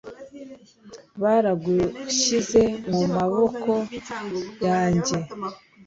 Baragushyize mu maboko yanjye